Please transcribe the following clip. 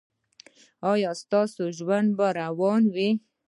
ایا ستاسو ژوند به روان وي؟